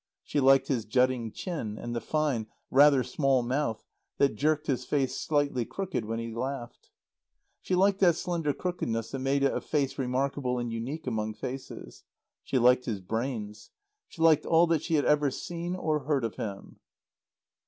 She liked his jutting chin, and the fine, rather small mouth that jerked his face slightly crooked when he laughed. She liked that slender crookedness that made it a face remarkable and unique among faces. She liked his brains. She liked all that she had ever seen or heard of him.